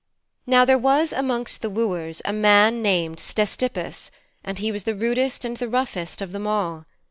Now there was amongst the wooers a man named Ctesippus, and he was the rudest and the roughest of them all.